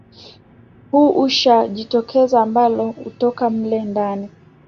huu usha utajitokeza ambalo anatoka mle ndani